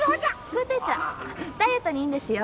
苦丁茶ダイエットにいいんですよ。